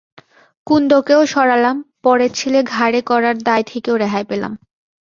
কুন্দকেও সরালাম, পরের ছেলে ঘাড়ে করার দায় থেকেও রেহাই পেলাম।